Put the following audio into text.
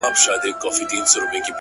• کور مي د بلا په لاس کي وليدی ـ